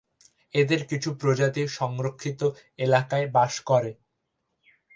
এদের কিছু প্রজাতি সংরক্ষিত এলাকায় বাস করে।